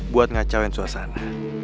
buat ngacauin suasana